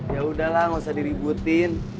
ya udahlah nggak usah diributin